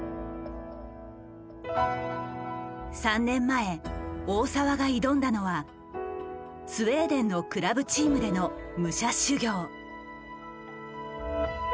３年前大澤が挑んだのはスウェーデンのクラブチームでの武者修行。